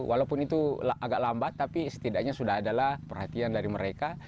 walaupun itu agak lambat tapi setidaknya sudah adalah perhatian dari mereka